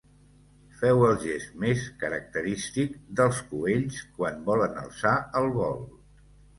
Feu el gest més característic dels coells quan volen alçar el vol.